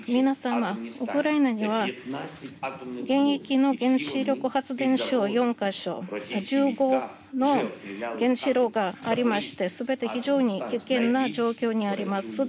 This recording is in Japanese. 皆様、ウクライナには現役の原子力発電所が４か所１５の原子炉がありまして全て非常に危険な状況にあります。